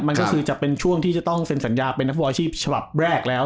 มันก็คือจะเป็นช่วงที่จะต้องเซ็นสัญญาเป็นนักฟุตบอลอาชีพฉบับแรกแล้ว